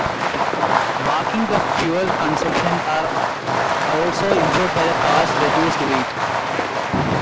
Braking and fuel consumption are also improved by the car's reduced weight.